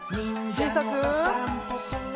ちいさく。